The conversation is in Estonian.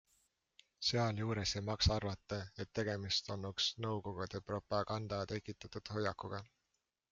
Sealjuures ei maksa arvata, et tegemist olnuks nõukogude propaganda tekitatud hoiakuga.